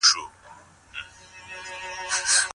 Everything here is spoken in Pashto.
ماشومان د وهلو نه دي.